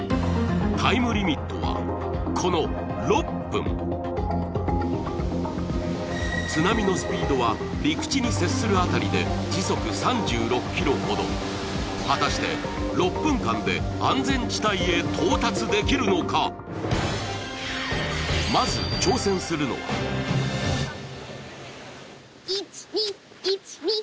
タイムリミットはこの６分津波のスピードは陸地に接するあたりで時速３６キロほど果たして６分間で安全地帯へ到達できるのかまず挑戦するのは１２１２